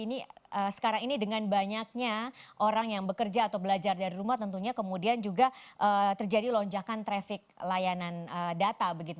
ini sekarang ini dengan banyaknya orang yang bekerja atau belajar dari rumah tentunya kemudian juga terjadi lonjakan traffic layanan data begitu